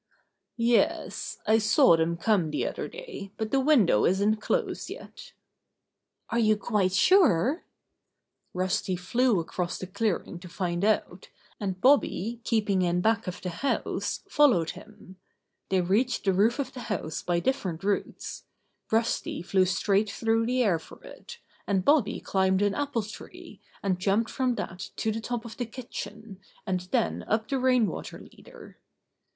"Yes, I saw them come the other day, but the window isn't closed yet." "Are you quite sure?" An Adventure With Dasher 13 Rusty flew across the clearing to find out, and Bobby, keeping in back of the house, fol lowed him. They reached the roof of the house by different routes. Rusty flew straight through the air for it, and Bobby climbed an apple tree, and jumped from that to the top of the kitchen, and then up the rain water leader.